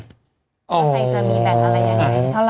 ใครจะมีแบ่งอะไรอย่างนี้